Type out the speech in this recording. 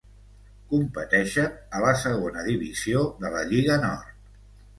Competeixen a la Segona Divisió de la Lliga Nord.